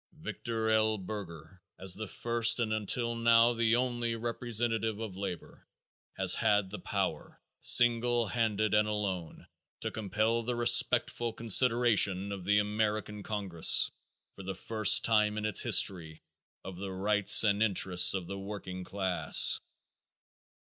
Victor L. Berger as the first and until now the only representative of labor, has had the power, single handed and alone, to compel the respectful consideration of the American congress, for the first time in its history, of the rights and interests of the working class.